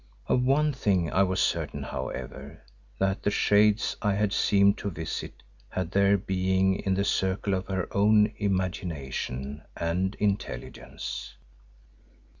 Of one thing I was certain, however, that the Shades I had seemed to visit had their being in the circle of her own imagination and intelligence.